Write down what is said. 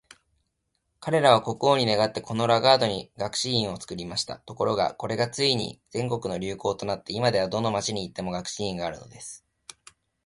彼等は国王に願って、このラガードに学士院を作りました。ところが、これがついに全国の流行となって、今では、どこの町に行っても学士院があるのです。